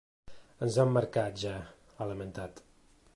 Ens han marcat, ja, ha lamentat.